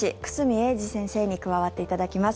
英二先生に加わっていただきます。